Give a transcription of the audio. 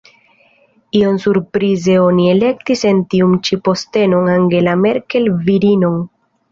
Iom surprize oni elektis en tiun ĉi postenon Angela Merkel, virinon.